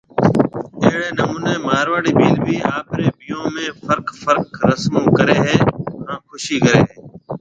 اهڙي نموني مارواڙي ڀيل بِي آپري بيھون۾ فرق فرق رسمون ڪري هي هان خوشي ڪري هي